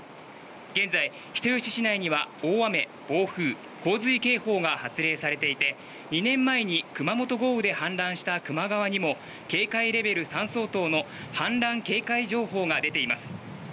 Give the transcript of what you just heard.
現在、人吉市内には大雨、暴風、洪水警報が発令されていて２年前に熊本豪雨で氾濫した球磨川にも警戒レベル３相当の氾濫警戒情報が出ています。